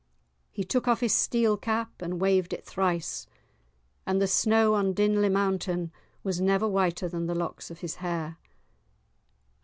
He took off his steel cap and waved it thrice, and the snow on the Dinlay mountain was never whiter than the locks of his hair.